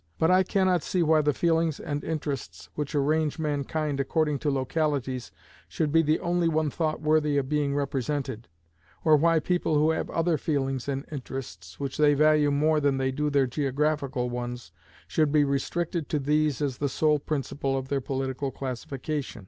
But I can not see why the feelings and interests which arrange mankind according to localities should be the only one thought worthy of being represented; or why people who have other feelings and interests, which they value more than they do their geographical ones, should be restricted to these as the sole principle of their political classification.